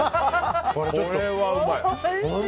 これはうまい！